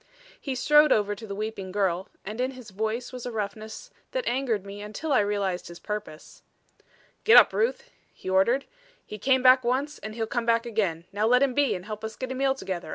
He strode over to the weeping girl, and in his voice was a roughness that angered me until I realized his purpose. "Get up, Ruth," he ordered. "He came back once and he'll come back again. Now let him be and help us get a meal together.